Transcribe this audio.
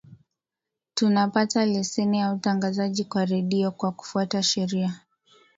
tunapata leseni ya utangazaji wa redio kwa kufuata sheria